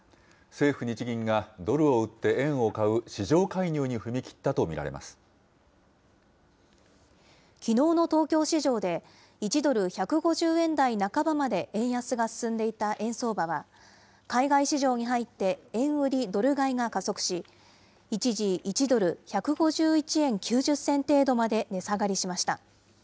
政府・日銀がドルを売って円を買う市場介入に踏み切ったと見きのうの東京市場で、１ドル１５０円台半ばまで円安が進んでいた円相場は、海外市場に入って円売りドル買いが加速し、一時１ドル１５１円９０銭程度まで値下がりしました。